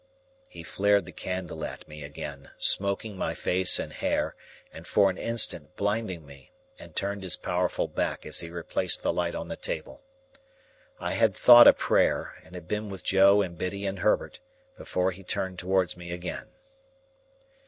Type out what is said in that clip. He flared the candle at me again, smoking my face and hair, and for an instant blinding me, and turned his powerful back as he replaced the light on the table. I had thought a prayer, and had been with Joe and Biddy and Herbert, before he turned towards me again.